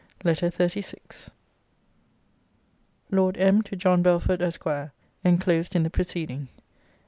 LETTER XXXVI LORD M., TO JOHN BELFORD, ESQ. [ENCLOSED IN THE PRECEDING.